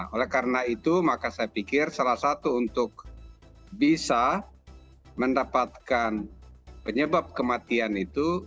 oleh karena itu maka saya pikir salah satu untuk bisa mendapatkan penyebab kematian itu